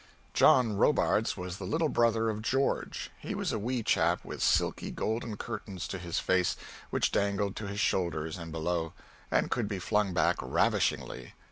John Robards was the little brother of George; he was a wee chap with silky golden curtains to his face which dangled to his shoulders and below, and could be flung back ravishingly.